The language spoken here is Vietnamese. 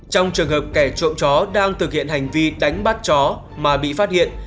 trong trường hợp kẻ trộm chó đang thực hiện hành vi đánh bắt chó mà bị phát hiện